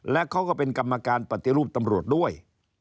และเขาก็เป็นกรรมการปฏิรูปตำรวจด้วย